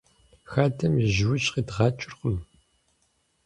Хадэм ежьужь къидгъакӀэркъым.